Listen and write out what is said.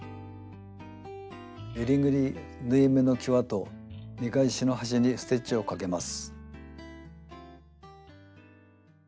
えりぐり縫い目のきわと見返しの端にステッチをかけます。